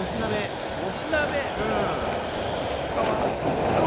他は？